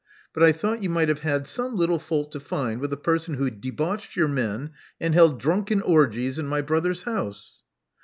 But I thought you might have had some little fault to find with a person who debauched your men and held drunken orgies in my brother's house."